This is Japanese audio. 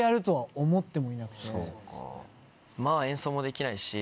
まぁ演奏もできないし。